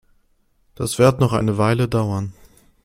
Das wird noch eine Weile dauern.